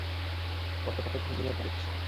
পড়তে পড়তে ঘুমিয়ে পড়েছে।